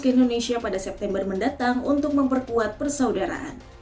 ke indonesia pada september mendatang untuk memperkuat persaudaraan